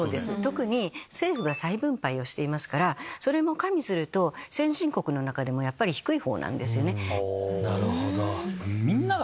特に政府が再分配していますからそれも加味すると先進国の中でもやっぱり低い方なんですよね。